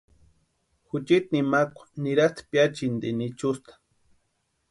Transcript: Juchiti nimakwa nirasti piachintini ichusta.